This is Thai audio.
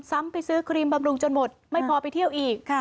ไปซื้อครีมบำรุงจนหมดไม่พอไปเที่ยวอีก